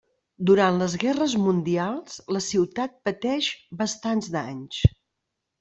Durant les guerres mundials, la ciutat pateix bastants danys.